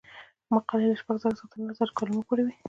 مقالې له شپږ زره څخه تر نهه زره کلمو پورې وي.